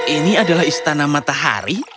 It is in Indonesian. ini adalah istana matahari